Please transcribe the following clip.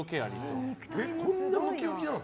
こんなムキムキなの？